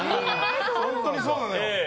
本当にそうなのよ。